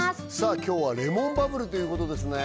今日はレモンバブルということですね